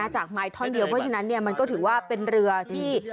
จากไม้ท่อนเดียวเพราะฉะนั้นมันก็ถือว่าเป็นเรือที่